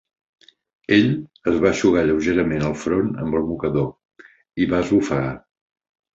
Ell es va eixugar lleugerament el front amb el mocador i va esbufegar.